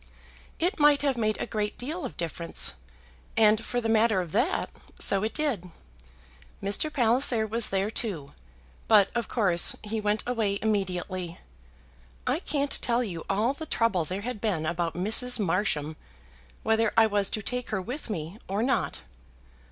"It might have made a great deal of difference. And, for the matter of that, so it did. Mr. Palliser was there too, but, of course, he went away immediately. I can't tell you all the trouble there had been about Mrs. Marsham, whether I was to take her with me or not.